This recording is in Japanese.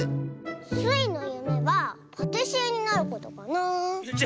スイのゆめはパティシエになることかな。